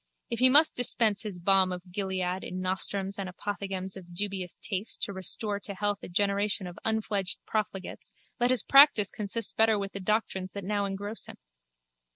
If he must dispense his balm of Gilead in nostrums and apothegms of dubious taste to restore to health a generation of unfledged profligates let his practice consist better with the doctrines that now engross him.